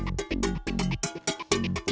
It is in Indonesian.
baik baik baik